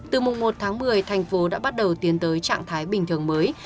từ mùng một tháng một mươi thành phố đã bắt đầu tiến tới trạng thái bình thường mới